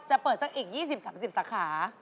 เปิดสักอีก๒๐๓๐สาขา